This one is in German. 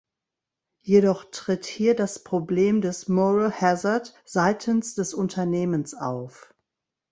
Jedoch tritt hier das Problem des Moral Hazard seitens des Unternehmens auf.